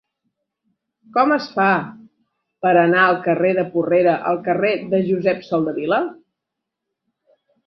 Com es fa per anar del carrer de Porrera al carrer de Josep Soldevila?